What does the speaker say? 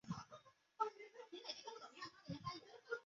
他是第十四任登丹人酋长所杀。